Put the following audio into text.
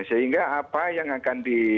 sehingga apa yang akan di